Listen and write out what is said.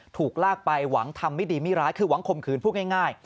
ถูกลากไปหวังทำไม่ดีไม่ร้ายคือหวังข่มขืนพูดง่าย